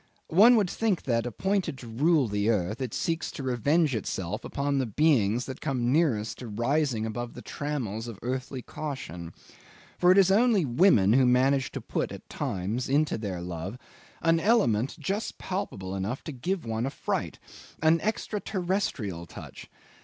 One would think that, appointed to rule on earth, it seeks to revenge itself upon the beings that come nearest to rising above the trammels of earthly caution; for it is only women who manage to put at times into their love an element just palpable enough to give one a fright an extra terrestrial touch.